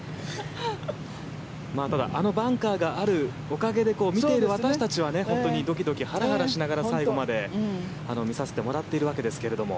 ただあのバンカーがあるおかげで見ている私たちは本当にドキドキハラハラしながら最後まで見させてもらっているわけですが。